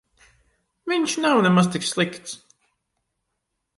Viņš nav nemaz tik slikts.